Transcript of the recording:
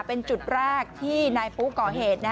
เป็นจุดแรกที่นายปุ๊ก่อเหตุ